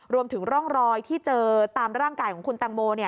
รวมถึงร่องรอยที่เจอตามร่างกายของคุณตังโม